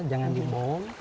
jangan di bom